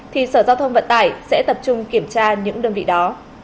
thì sở giao thông vận tải sẽ tập trung kiểm tra những đơn vị đó